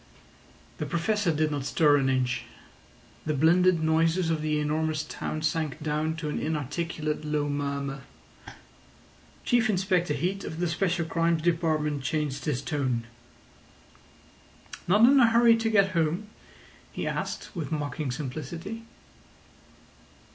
The Professor did not stir an inch. The blended noises of the enormous town sank down to an inarticulate low murmur. Chief Inspector Heat of the Special Crimes Department changed his tone. "Not in a hurry to get home?" he asked, with mocking simplicity.